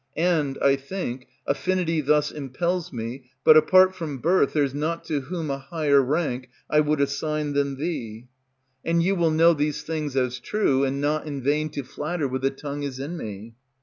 And, I think, affinity thus Impels me, but apart from birth, There's not to whom a higher rank I would assign than thee. And you will know these things as true, and not in vain To flatter with the tongue is in me.